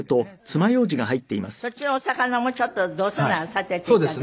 そっちのお魚もちょっとどうせなら立てていただいて。